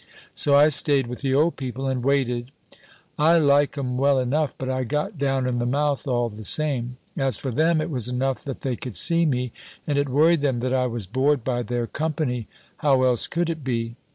So I stayed with the old people, and waited. I like 'em well enough, but I got down in the mouth all the same. As for them, it was enough that they could see me, and it worried them that I was bored by their company how else could it be?